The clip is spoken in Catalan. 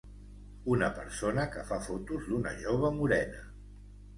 Una persona que fa fotos d'una jove morena.